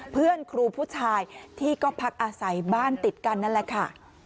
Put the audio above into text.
เพื่อนครูผู้ชายที่ก็พักอาศัยบ้านติดกันนั่นแหละค่ะ